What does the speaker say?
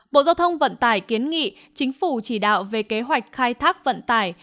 bộ giao thông vận tải kiến nghị chính phủ chỉ đạo về kế hoạch khai thác vận tải